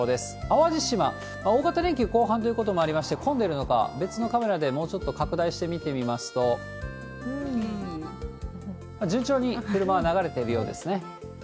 淡路島、大型連休後半ということもありまして、混んでいるのか、別のカメラでもうちょっと拡大して見てみますと、順調に車は流れているようですね。